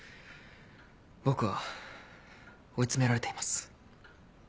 僕は追い詰められています。